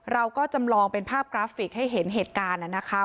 เราก็จำลองเป็นภาพกราฟิกให้เห็นเหตุการณ์นะคะ